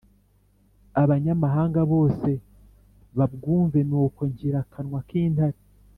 abanyamahanga bose babwumve nuko nkira akanwa k’intare”